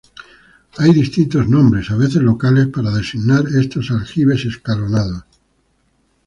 Hay distintos nombres, a veces locales, para designar estos aljibes escalonados.